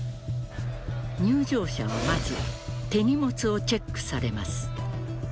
入場者はまず、手荷物をチェックされます。